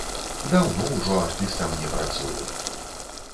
Даўно ўжо артыстам не працую.